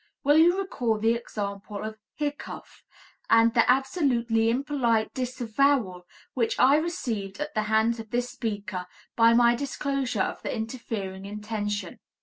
Will you recall the example of "hiccough," and the absolutely impolite disavowal which I received at the hands of this speaker by my disclosure of the interfering intention.